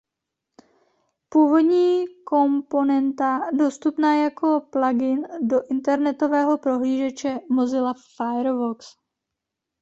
Původní komponenta dostupná jako plugin do internetového prohlížeče Mozilla Firefox.